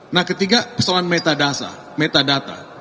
nah ketiga persoalan metadasa metadata